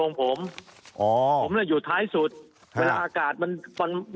ก็มีโอกาสครับ